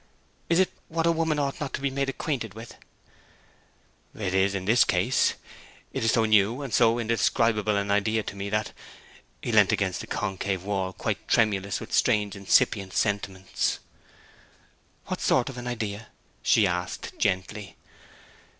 'Is it what a woman ought not to be made acquainted with?' 'It is, in this case. It is so new and so indescribable an idea to me that' he leant against the concave wall, quite tremulous with strange incipient sentiments. 'What sort of an idea?' she asked gently.